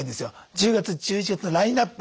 １０月１１月のラインナップ。